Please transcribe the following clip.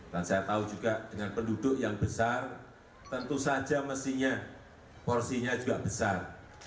dan saya tahu juga dengan penduduk yang besar tentu saja mestinya porsinya juga besar